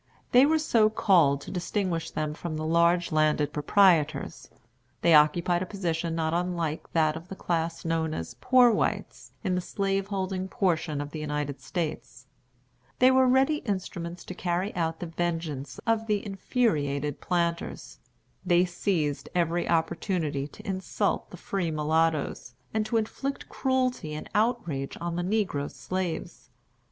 They were so called to distinguish them from the large landed proprietors. They occupied a position not unlike that of the class known as "poor whites" in the slaveholding portion of the United States. They were ready instruments to carry out the vengeance of the infuriated planters. They seized every opportunity to insult the free mulattoes, and to inflict cruelty and outrage on the negro slaves.